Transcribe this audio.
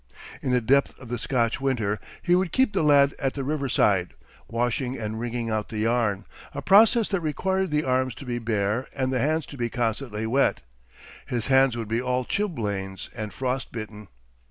In the depth of the Scotch winter he would keep the lad at the river side, washing and wringing out the yarn, a process that required the arms to be bare and the hands to be constantly wet. His hands would be all chilblains and frost bitten.